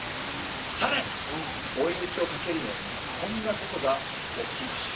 さらに追い打ちをかけるようにこんなことが起きました。